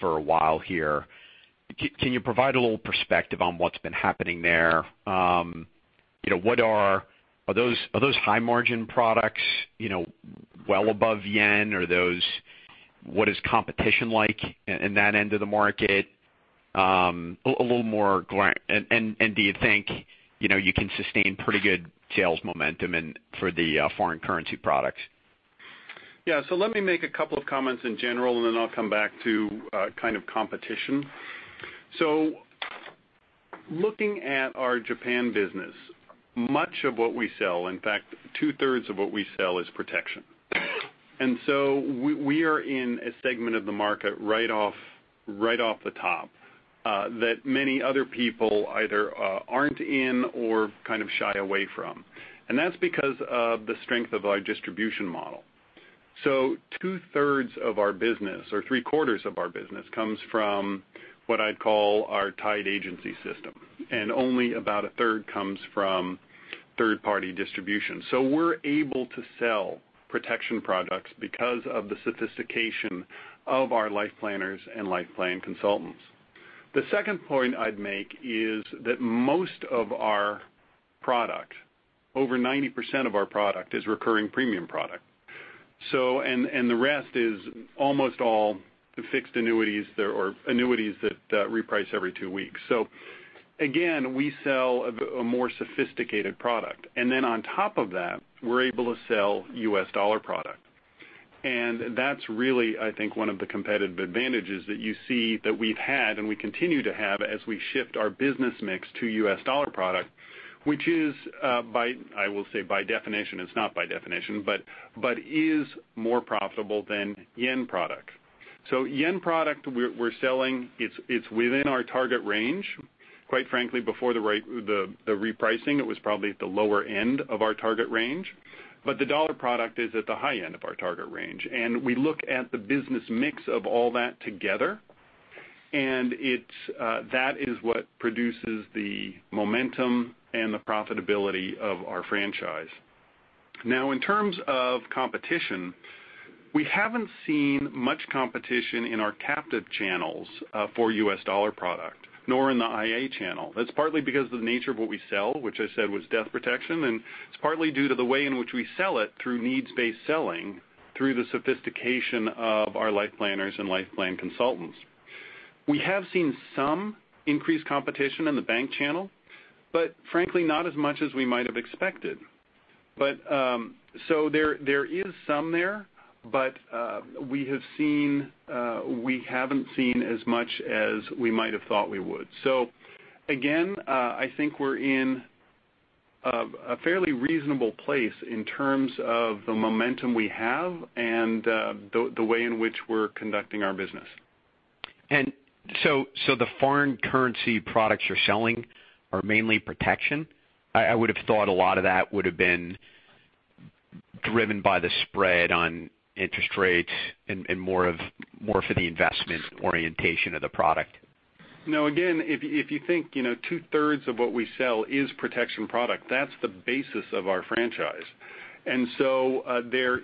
for a while here. Can you provide a little perspective on what's been happening there? Are those high margin products well above yen? What is competition like in that end of the market? A little more clarity, do you think you can sustain pretty good sales momentum for the foreign currency products? Yeah. Let me make a couple of comments in general, then I'll come back to kind of competition. Looking at our Japan business, much of what we sell, in fact two-thirds of what we sell is protection. We are in a segment of the market right off the top that many other people either aren't in or kind of shy away from. That's because of the strength of our distribution model. Two-thirds of our business, or three-quarters of our business comes from what I'd call our tied agency system, and only about a third comes from third-party distribution. We're able to sell protection products because of the sophistication of our LifePlanners and life plan consultants. The second point I'd make is that most of our product, over 90% of our product, is recurring premium product. The rest is almost all the fixed annuities or annuities that reprice every two weeks. Again, we sell a more sophisticated product. Then on top of that, we're able to sell U.S. dollar product. That's really, I think, one of the competitive advantages that you see that we've had and we continue to have as we shift our business mix to U.S. dollar product, which is, I will say by definition, it's not by definition, but is more profitable than JPY product. JPY product we're selling, it's within our target range. Quite frankly, before the repricing, it was probably at the lower end of our target range. The USD product is at the high end of our target range. We look at the business mix of all that together, and that is what produces the momentum and the profitability of our franchise. Now, in terms of competition, we haven't seen much competition in our captive channels for U.S. dollar product, nor in the IA channel. That's partly because of the nature of what we sell, which I said was death protection, and it's partly due to the way in which we sell it through needs-based selling, through the sophistication of our LifePlanners and life plan consultants. We have seen some increased competition in the bank channel, but frankly, not as much as we might have expected. There is some there, but we haven't seen as much as we might have thought we would. Again, I think we're in a fairly reasonable place in terms of the momentum we have and the way in which we're conducting our business. The foreign currency products you're selling are mainly protection? I would have thought a lot of that would have been driven by the spread on interest rates and more for the investment orientation of the product. No, again, if you think two-thirds of what we sell is protection product, that's the basis of our franchise. There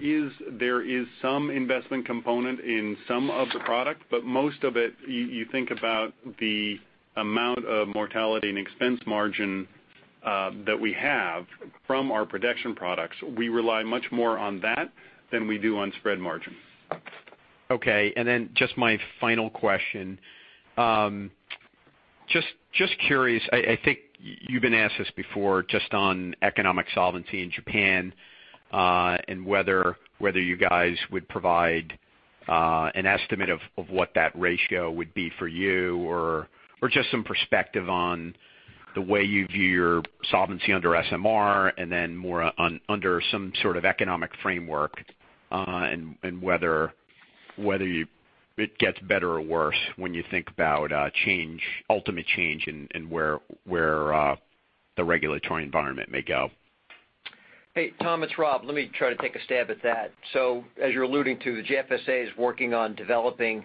is some investment component in some of the product, but most of it, you think about the amount of mortality and expense margin that we have from our protection products, we rely much more on that than we do on spread margin. Okay, just my final question. Just curious, I think you've been asked this before, just on economic solvency in Japan, and whether you guys would provide an estimate of what that ratio would be for you or just some perspective on the way you view your solvency under SMR and then more under some sort of economic framework, and whether it gets better or worse when you think about ultimate change in where the regulatory environment may go. Hey, Tom, it's Rob. Let me try to take a stab at that. As you're alluding to, the JFSA is working on developing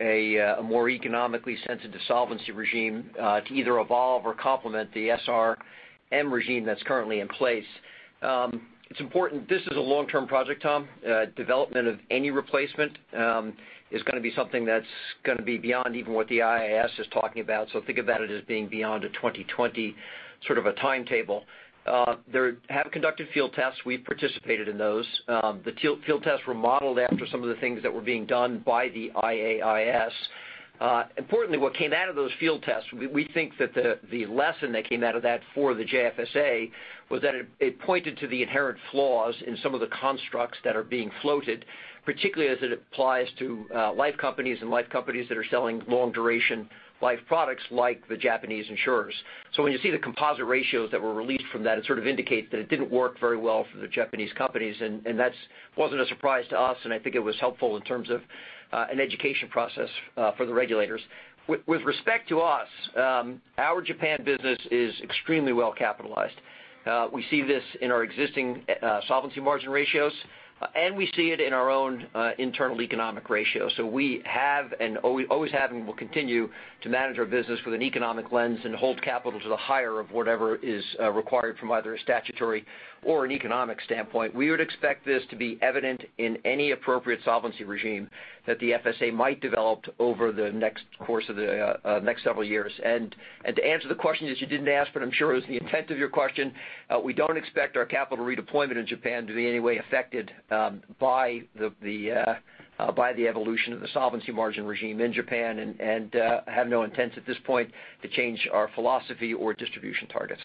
a more economically sensitive solvency regime to either evolve or complement the SMR regime that's currently in place. It's important, this is a long-term project, Tom. Development of any replacement is going to be something that's going to be beyond even what the IAIS is talking about. Think about it as being beyond a 2020 sort of a timetable. They have conducted field tests. We participated in those. The field tests were modeled after some of the things that were being done by the IAIS. Importantly, what came out of those field tests, we think that the lesson that came out of that for the JFSA was that it pointed to the inherent flaws in some of the constructs that are being floated, particularly as it applies to life companies and life companies that are selling long-duration life products like the Japanese insurers. When you see the composite ratios that were released from that, it sort of indicates that it didn't work very well for the Japanese companies, and that wasn't a surprise to us, and I think it was helpful in terms of an education process for the regulators. With respect to us, our Japan business is extremely well-capitalized. We see this in our existing solvency margin ratios, and we see it in our own internal economic ratios. We have and always have and will continue to manage our business with an economic lens and hold capital to the higher of whatever is required from either a statutory or an economic standpoint. We would expect this to be evident in any appropriate solvency regime that the JFSA might develop over the course of the next several years. To answer the question that you didn't ask, I'm sure it was the intent of your question, we don't expect our capital redeployment in Japan to be in any way affected by the evolution of the solvency margin regime in Japan and have no intent at this point to change our philosophy or distribution targets.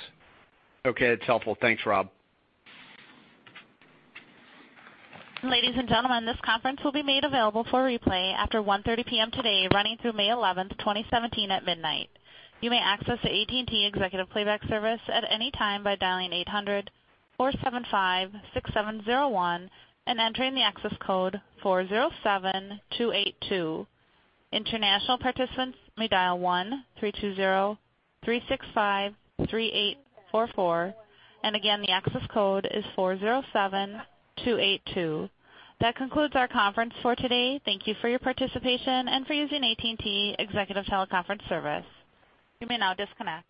Okay. That's helpful. Thanks, Rob. Ladies and gentlemen, this conference will be made available for replay after 1:30 P.M. today running through May 11, 2017 at midnight. You may access the AT&T Executive Playback Service at any time by dialing 800-475-6701 and entering the access code 407282. International participants may dial 1-320-365-3844. Again, the access code is 407282. That concludes our conference for today. Thank you for your participation and for using AT&T Executive Teleconference Service. You may now disconnect.